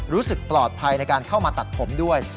รู้สึกปลอดภัยในการเข้ามาตัดผมด้วย